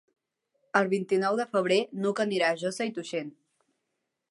El vint-i-nou de febrer n'Hug anirà a Josa i Tuixén.